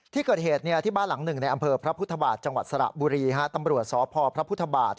ที่บ้านหลังหนึ่งในอำเภอพระพุทธบาทจังหวัดสระบุรีตำรวจสพพระพุทธบาท